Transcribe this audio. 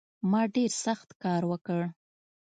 ما ډېر سخت کار وکړ